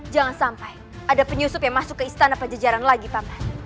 jangan sampai ada penyusup yang masuk ke istana pajajaran lagi pak